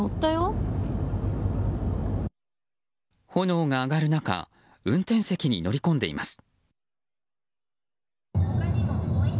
炎が上がる中運転席に乗り込んでいます。